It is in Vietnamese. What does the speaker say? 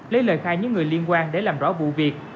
lấy lời khai những người liên quan để làm rõ vụ việc